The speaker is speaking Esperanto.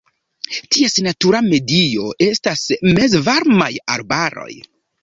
Ties natura medio estas mezvarmaj arbaroj.